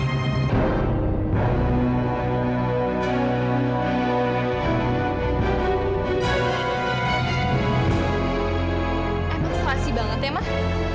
emang selasih banget ya mah